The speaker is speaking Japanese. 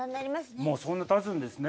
もうそんなたつんですね。